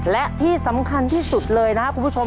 และที่สำคัญที่สุดเลยนะครับคุณผู้ชม